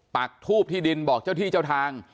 ปักทูบที่ดินบอกเจ้าที่เจ้าทาง